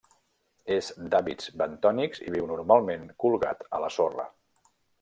És d'hàbits bentònics i viu normalment colgat a la sorra.